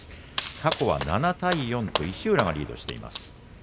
過去は７対４で石浦がリードしています。